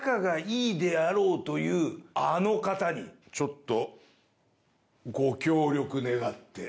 ちょっと。